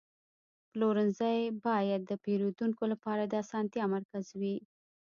پلورنځی باید د پیرودونکو لپاره د اسانتیا مرکز وي.